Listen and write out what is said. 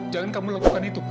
jangan kamu lakukan itu